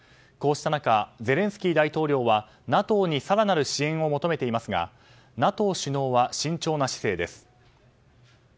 こうした中ゼレンスキー大統領はＮＡＴＯに更なる支援を求めていますがＮＡＴＯ首脳は慎重な姿勢です。